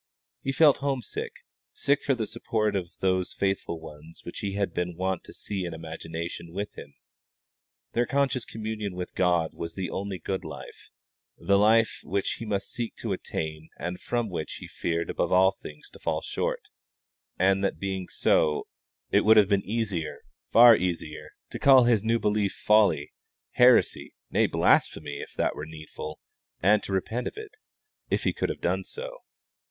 He felt homesick, sick for the support of those faithful ones which he had been wont to see in imagination with him: their conscious communion with God was the only good life, the life which he must seek to attain and from which he feared above all things to fall short; and that being so, it would have been easier, far easier, to call his new belief folly, heresy, nay, blasphemy if that were needful, and to repent of it, if he could have done so.